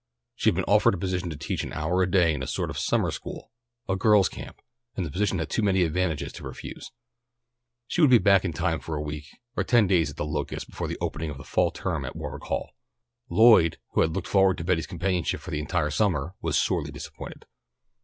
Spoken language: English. She had been offered a position to teach an hour a day in a sort of summer school, a girls' camp, and the position had too many advantages to refuse. She would be back in time for a week or ten days at The Locusts before the opening of the fall term at Warwick Hall. Lloyd, who had looked forward to Betty's companionship for the entire summer, was sorely disappointed.